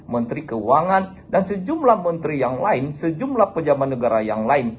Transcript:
menteri keuangan dan sejumlah menteri yang lain sejumlah pejabat negara yang lain